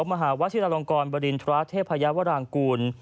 มหาวชิลาลงกรบริณฑราเทพยาวรางกูล